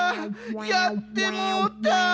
やってもうた。